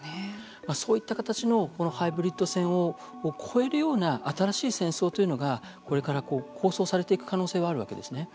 そういった形のハイブリッド戦を超えるような新しい戦争というのがこれから構想されていく可能性はあるわけですね。